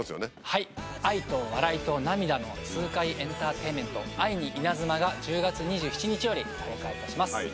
はい愛と笑いと涙の痛快エンターテインメント『愛にイナズマ』が１０月２７日より公開いたします。